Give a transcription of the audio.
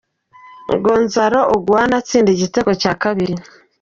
Gonzalo Huguain atsinda igitego cya kabiri.